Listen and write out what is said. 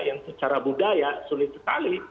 karena budaya sulit sekali